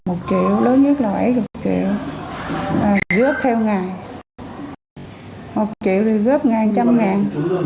một triệu lớn nhất là bảy triệu góp theo ngày một triệu thì góp ngày một trăm linh ngàn